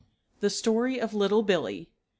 ] THE STORY OF LITTLE BILLEE.